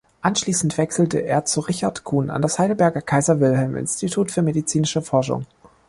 Anschließend wechselte er zu Richard Kuhn an das Heidelberger Kaiser-Wilhelm-Institut für medizinische Forschung.